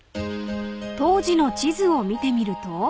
［当時の地図を見てみると］